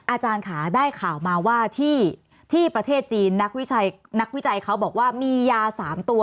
อาจารย์ค่ะได้ข่าวมาว่าที่ประเทศจีนนักวิจัยเขาบอกว่ามียา๓ตัว